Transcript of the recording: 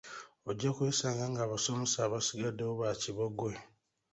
Ojja kwesanga ng'abasomesa abasigaddewo ba kiboggwe.